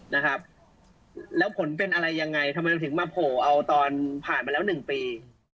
นะครับแล้วผลเป็นอะไรยังไงทำไมถึงมาโผล่เอาตอนผ่านมาแล้วหนึ่งปี